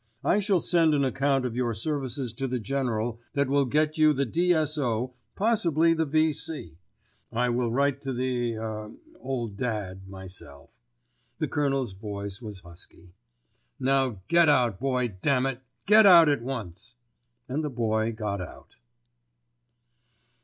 I shall send an account of your services to the General that will get you the D.S.O., possibly the V.C. I will write to the—er—old dad myself." The Colonel's voice was husky. "Now, get out, Boy, damn it—get out at once!" And the Boy got out.